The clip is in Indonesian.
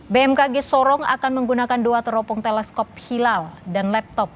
bmkg sorong akan menggunakan dua teropong teleskop hilal dan laptop